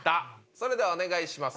それではお願いします